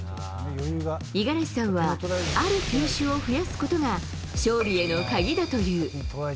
五十嵐さんはある球種を増やすことが勝利への鍵だという。